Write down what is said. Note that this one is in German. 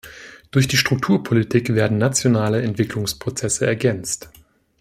Durch die Strukturpolitik werden nationale Entwicklungsprozesse ergänzt.